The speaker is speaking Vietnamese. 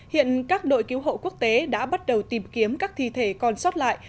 hiện các đội cứu hộ quốc tế đã bắt đầu tìm kiếm các thi thể còn sót lại